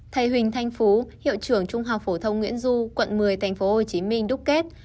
thầy huỳnh thanh phú hiệu trưởng trung học phổ thông nguyễn du quận một mươi tp hcm đúc kết